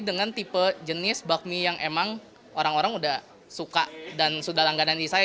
dengan tipe jenis bakmi yang emang orang orang udah suka dan sudah langganan di saya